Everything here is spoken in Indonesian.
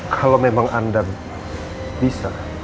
kalau memang anda bisa